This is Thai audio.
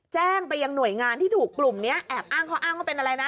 แจ้งไปยังหน่วยงานที่ถูกกลุ่มนี้แอบอ้างเขาอ้างว่าเป็นอะไรนะ